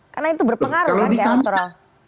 karena itu berpengaruh kan kayak antara